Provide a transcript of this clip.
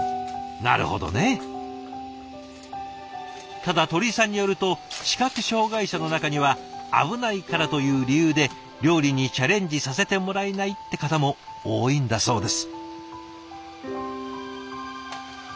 ただ鳥居さんによると視覚障害者の中には危ないからという理由で料理にチャレンジさせてもらえないって方も多いんだそうです。